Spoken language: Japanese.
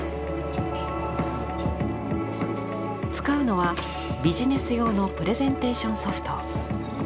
使うのはビジネス用のプレゼンテーションソフト。